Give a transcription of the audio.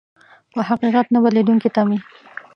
په حقيقت نه بدلېدونکې تمې.